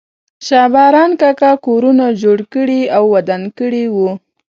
شا باران کاکا کورونه جوړ کړي او ودان کړي وو.